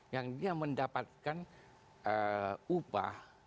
yang dia mendapatkan upah